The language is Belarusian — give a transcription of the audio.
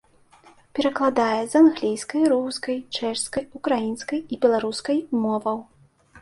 Перакладае з англійскай, рускай, чэшскай, украінскай і беларускай моваў.